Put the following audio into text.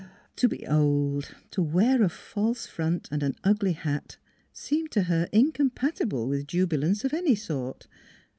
To be old, to wear a false front and an ugly hat seemed to her incompatible with jubi 254 NEIGHBORS lance of any sort.